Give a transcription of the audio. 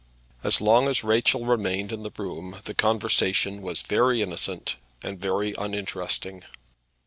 As long as Rachel remained in the room the conversation was very innocent and very uninteresting.